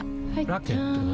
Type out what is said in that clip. ラケットは？